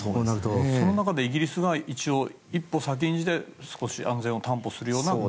その中でイギリスが一歩先んじて少し安全を担保するような。